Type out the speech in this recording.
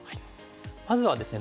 まずはですね